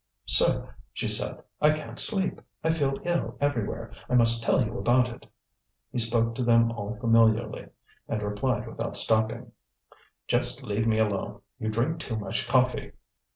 "Sir," she said, "I can't sleep; I feel ill everywhere. I must tell you about it." He spoke to them all familiarly, and replied without stopping: "Just leave me alone; you drink too much coffee."